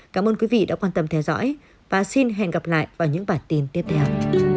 cảm ơn quý vị đã quan tâm theo dõi và xin hẹn gặp lại vào những bản tin tiếp theo